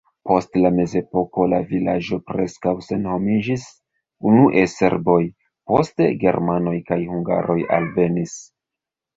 Post la mezepoko la vilaĝo preskaŭ senhomiĝis, unue serboj, poste germanoj kaj hungaroj alvenis.